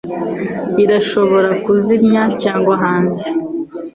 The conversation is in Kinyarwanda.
irashobora kuzimya cyangwa hanze